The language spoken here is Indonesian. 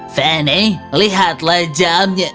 fanny lihatlah jamnya